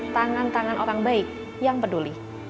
tangan tangan orang baik yang peduli